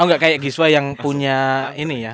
oh enggak kayak giswa yang punya ini ya